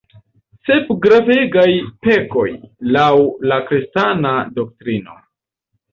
Sep gravegaj pekoj, laŭ la kristana doktrino.